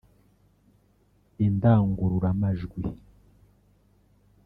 indangururamajwi